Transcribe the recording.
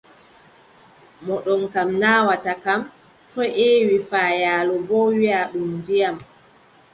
Mo ɗomka naawata kam, koo ƴeewi faayaalo boo, wiʼa ɗum ndiyam.